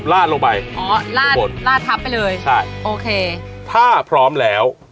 ลาดลงไปอ๋อลาดหมดลาดทับไปเลยใช่โอเคถ้าพร้อมแล้ว